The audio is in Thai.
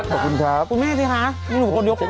ชอบคุณครับชอบคุณครับ